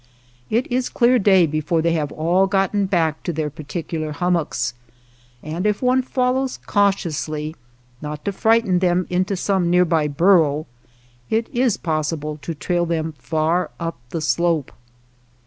It is clear day before they have all gotten back to their particular hummocks, and if one follows cautiously, not to frighten them into some near by burrow, it is possible to trail them far up the slope.